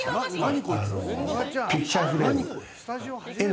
ピクチャーフレーム。